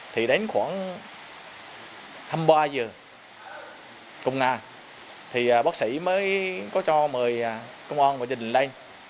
thì đến khoảng hai mươi ba h công nga thì bác sĩ mới có cho mời công an và dân dịch lên